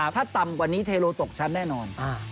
ถ้าต่ำกว่านี้เทโลตกชั้นแน่นอน